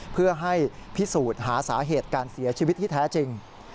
เพื่อให้พิสูจน์หาสาเหตุการเสียชีวิตที่แท้จริง